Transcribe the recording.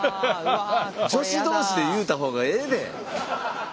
女子同士で言うた方がええで。